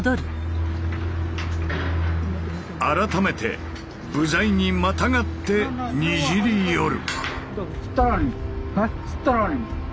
改めて部材にまたがってにじり寄る。